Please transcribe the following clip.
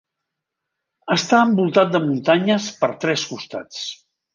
Està envoltat de muntanyes per tres costats.